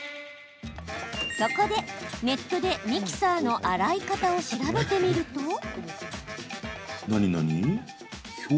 そこで、ネットでミキサーの洗い方を調べてみると。